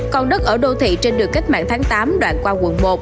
còn đất ở đô thị trên đường cách mạng tháng tám đoạn qua quận một